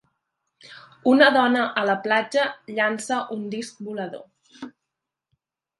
Una dona a la platja llança un disc volador.